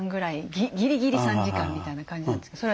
ギリギリ３時間みたいな感じなんですけどそれは大丈夫？